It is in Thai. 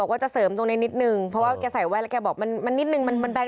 ครอบครัวว่าไงบ้างคะ